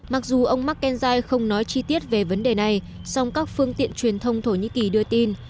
mặc dù ông mcenjai không nói chi tiết về vấn đề này song các phương tiện truyền thông thổ nhĩ kỳ đưa tin